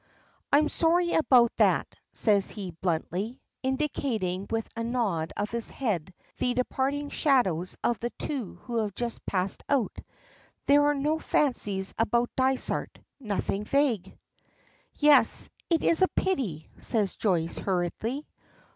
"I am sorry about that," says he, bluntly, indicating with a nod of his head the departing shadows of the two who have just passed out. There are no fancies about Dysart. Nothing vague. "Yes; it is a pity," says Joyce, hurriedly.